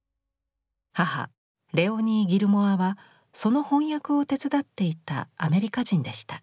母レオニー・ギルモアはその翻訳を手伝っていたアメリカ人でした。